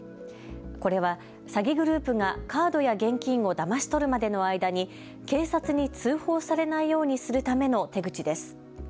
これは詐欺グループがカードや現金をだまし取るまでの間に警察に通報されないようにするための手口です。